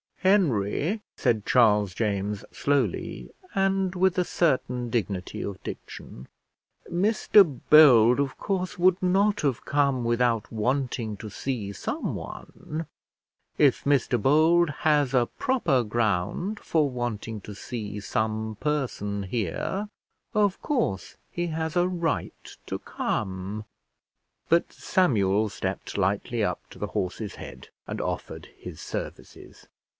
"Henry," said Charles James slowly, and with a certain dignity of diction, "Mr Bold of course would not have come without wanting to see someone; if Mr Bold has a proper ground for wanting to see some person here, of course he has a right to come." But Samuel stepped lightly up to the horse's head, and offered his services.